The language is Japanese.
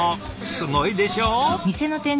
すごいでしょ？